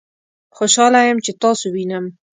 خوشحاله یم چې تاسو وینم